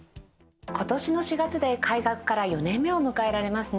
今年の４月で開学から４年目を迎えられますね。